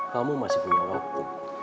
kamu masih punya waktu